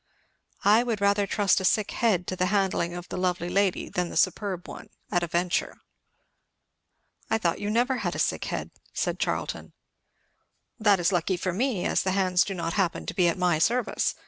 "I would rather trust a sick head to the handling of the lovely lady than the superb one, at a venture." "I thought you never had a sick head," said Charlton. "That is lucky for me, as the hands do not happen to be at my service.